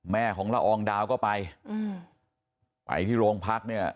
แม่ของละอองดาวก็ไปอืมไปไปที่โรงพักเนี่ย